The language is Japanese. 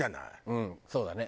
うんそうだね。